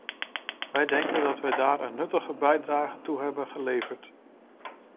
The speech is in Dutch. Wij denken dat wij daar een nuttige bijdrage toe hebben geleverd.